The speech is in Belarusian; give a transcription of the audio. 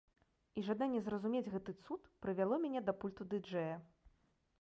І жаданне зразумець гэты цуд прывяло мяне да пульту ды-джэя.